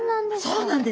そうなんです。